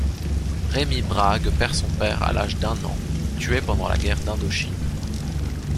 Rémi Brague perd son père à l'âge d'un an, tué pendant la guerre d'Indochine.